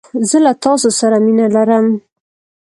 زه له تاسو سره مينه لرم